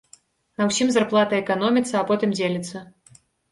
На ўсім зарплата эканоміцца, а потым дзеліцца.